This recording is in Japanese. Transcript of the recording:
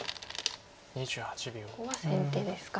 ここは先手ですか。